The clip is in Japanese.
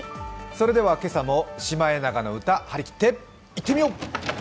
それでは今朝も「シマエナガの歌」張り切っていってみよう！